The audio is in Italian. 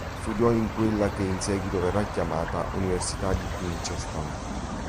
Studiò in quella che in seguito verrà chiamata Università di Princeton.